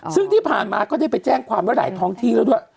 ซึ่งที่ผ่านมาก็ได้ไปแจ้งความไว้หลายท้องที่แล้วด้วย